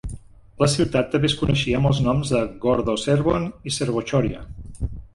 La ciutat també es coneixia amb els noms de Gordoservon i Servochoria.